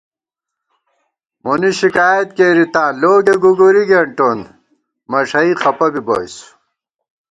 مونی شکایَت کېری تاں لوگے گُوگُوری گېنٹَوون، مݭَئی خپہ بی بوئیس